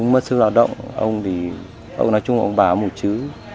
mất sức lào động ông thì nói chung là ông bà mù chứ